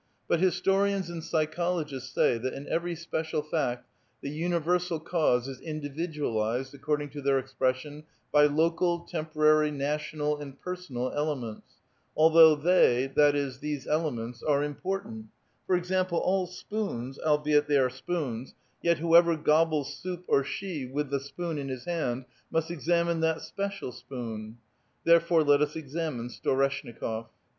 But historians and psy chologists say that in every special fact the universal cause is '' individualized," according to their expression, by local, temporary, national, and personal elements, although they — that is, these elements — are imj^ortant ; for example, all spoons, albeit tliey are spoons, yet whoever gobbles soup or shchi with the spoon in his hand must examine that special spoon. Therefore let us examine Storeshnikof